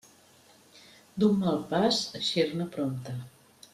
D'un mal pas, eixir-ne prompte.